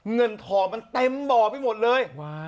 เงินถ่อเต็มบ่าไปหมดเลย